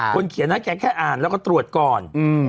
เขียนนะแกแค่อ่านแล้วก็ตรวจก่อน